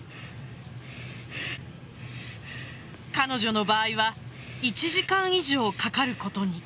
彼女の場合は１時間以上かかることに。